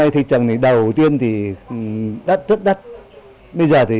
thì đắt đắt đắt